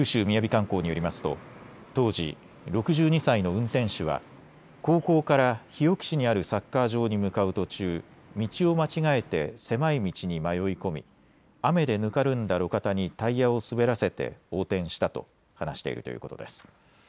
観光によりますと当時、６２歳の運転手は高校から日置市にあるサッカー場に向かう途中、道を間違えて狭い道に迷い込み雨でぬかるんだ路肩にタイヤを滑らせて横転したと話しているということです。